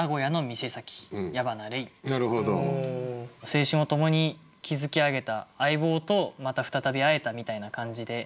青春を共に築き上げた相棒とまた再び会えたみたいな感じで。